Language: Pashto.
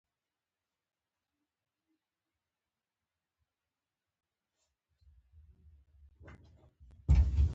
کچالو د نړۍ تر ټولو مشهوره سبزي ده